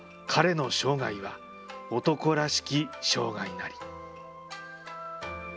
彼の生涯は男らしき生涯なり。